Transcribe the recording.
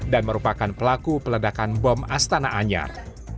dan merupakan pelaku peledakan bom astana anyar